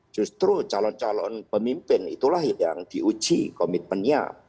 justru calon calon pemimpin itulah yang diuji komitmennya